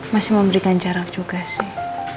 masih memberikan jarak juga sih